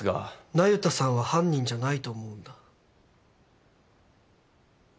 那由他さんは犯人じゃないと思うんだ。